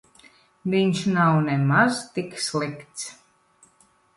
Viņš nav nemaz tik slikts.